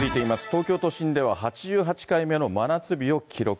東京都心では８８回目の真夏日を記録。